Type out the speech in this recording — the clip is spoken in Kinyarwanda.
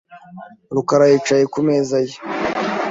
rukara yicaye ku mezaye .